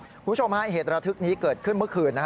คุณผู้ชมฮะเหตุระทึกนี้เกิดขึ้นเมื่อคืน